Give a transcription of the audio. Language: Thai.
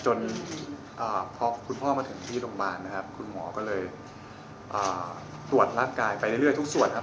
จนพอคุณพ่อมาถึงที่โรงพยาบาลนะครับคุณหมอก็เลยตรวจร่างกายไปเรื่อยทุกส่วนครับ